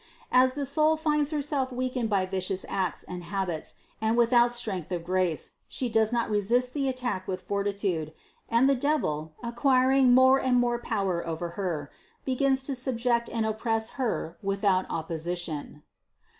As the soul finds herself weakened by vicious acts and habits and without strength of grace, she does not resist the attack with fortitude, and the devil, acquiring more and more power over her, begins to subject and oppress her with out opposition.